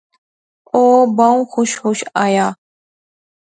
او بہوں خوش خوش آیا